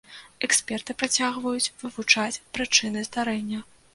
Эксперты працягваюць вывучаць прычыны здарэння.